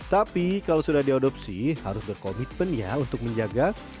tapi kalau sudah diadopsi harus berkomitmen ya untuk menjaga